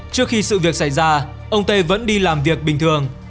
trước khi sự việc xảy ra ông tê vẫn đi làm việc bình thường